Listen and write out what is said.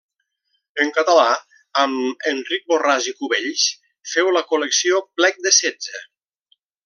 En català, amb Enric Borràs i Cubells, féu la col·lecció Plec de Setze.